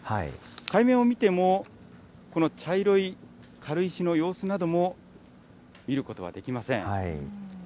海面を見ても、この茶色い軽石の様子なども見ることはできません。